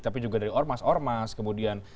tapi juga dari ormas ormas kemudian